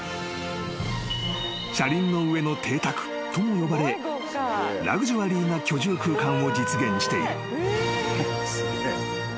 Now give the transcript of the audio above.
［車輪の上の邸宅とも呼ばれラグジュアリーな居住空間を実現している］